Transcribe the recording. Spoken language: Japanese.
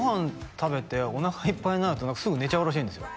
食べてお腹いっぱいになるとすぐ寝ちゃうらしいんですよ